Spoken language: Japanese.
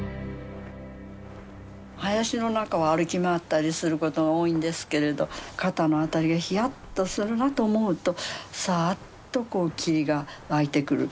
林の中を歩き回ったりすることが多いんですけれど肩の辺りがヒヤッとするなと思うとさあっとこう霧が湧いてくる。